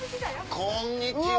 こんにちは！